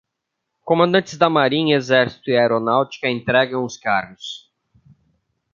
Comandantes da marinha, exército e aeronáutica entregam os cargos